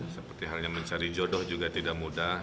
seperti halnya mencari jodoh juga tidak mudah